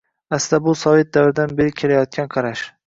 Aslida bu sovet davridan beri kelayotgan qarash.